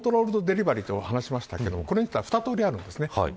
コントロールドデリバリーと話しましたがこれは２通りあるんです。